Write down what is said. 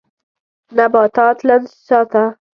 نباتات لند ساته.